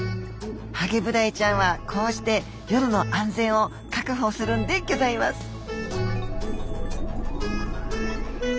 ハゲブダイちゃんはこうして夜の安全を確保するんでぎょざいます。